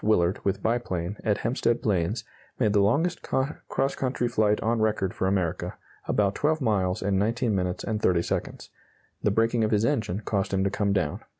Willard, with biplane, at Hempstead Plains, made the longest cross country flight on record for America about 12 miles in 19 minutes and 30 seconds. The breaking of his engine caused him to come down.